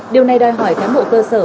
điều này đòi hỏi cán bộ cơ sở